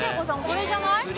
これじゃない？